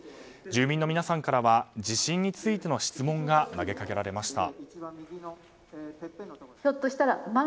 住民の皆さんからは地震についての質問が投げかけられました。